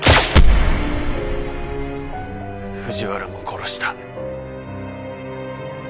藤原も殺した。